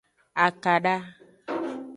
Akada.